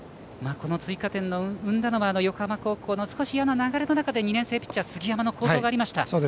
この追加点を生んだのは横浜高校の少し嫌な流れの中で２年生ピッチャー、杉山の好投がありました。